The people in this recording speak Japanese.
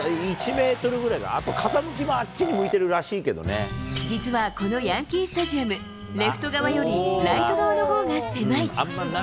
１メートルぐらいか、あと風向きにあっちに向いて実はこのヤンキースタジアム、レフト側よりライト側のほうが狭い。